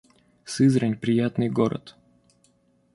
Сызрань — приятный город